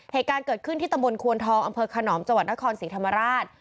เหตุการณ์เกิดขึ้นที่ตำบลควนทองอำเภอขนอมจังหวัดนครศรีธรรมราช